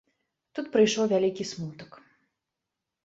Тут прыйшоў вялікі смутак.